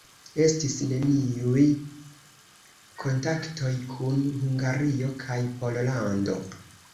Estis neniuj kontaktoj kun Hungario kaj Pollando.